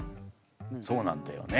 そうなんだよね。